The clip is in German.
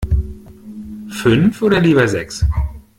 Fünf oder lieber sechs?